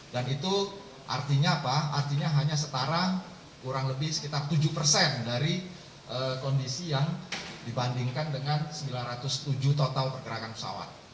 dan itu artinya apa artinya hanya setara kurang lebih sekitar tujuh persen dari kondisi yang dibandingkan dengan sembilan ratus tujuh total pergerakan pesawat